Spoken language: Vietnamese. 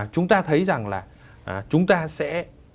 chúng ta thấy rằng là chúng ta sẽ